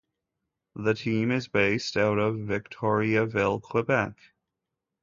The team is based out of Victoriaville, Quebec.